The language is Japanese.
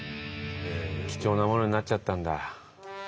貴重なものになっちゃったんだ。